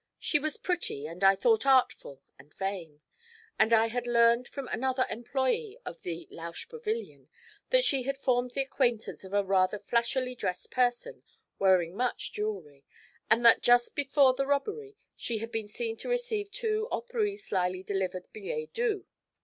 She was pretty, and I thought artful and vain; and I had learned from another employé of the Lausch Pavilion that she had formed the acquaintance of a rather flashily dressed person wearing much jewellery, and that just before the robbery she had been seen to receive two or three slyly delivered billets doux.